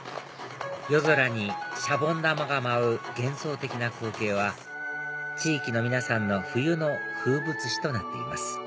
夜空にシャボン玉が舞う幻想的な光景は地域の皆さんの冬の風物詩となっています